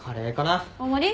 大盛り？